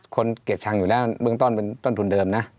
เกลียดชังอยู่แล้วเบื้องต้นเป็นต้นทุนเดิมนะ